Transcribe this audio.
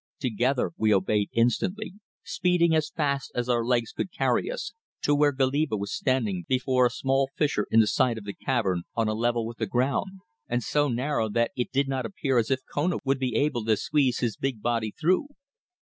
Together we obeyed instantly, speeding as fast as our legs could carry us to where Goliba was standing before a small fissure in the side of the cavern on a level with the ground, and so narrow that it did not appear as if Kona would be able to squeeze his big body through.